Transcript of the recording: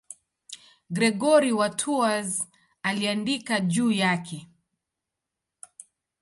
Gregori wa Tours aliandika juu yake.